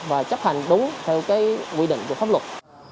và chấp hành đúng theo quy định của pháp luật